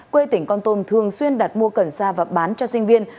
quê tỉnh con tôm thường xuyên đặt mua cẩn xa và bán cho sinh viên